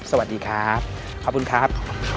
สวัสดีครับขอบคุณครับ